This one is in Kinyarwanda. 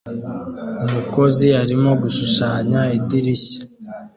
Umukozi arimo gushushanya idirishya